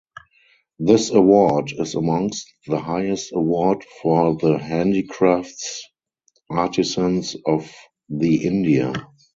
This award is amongst the highest award for the handicrafts artisans of the India.